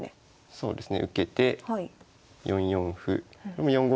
そうですね。